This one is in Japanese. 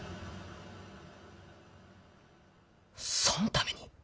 そんために？